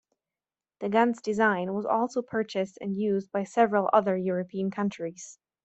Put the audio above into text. The gun's design was also purchased and used by several other European countries.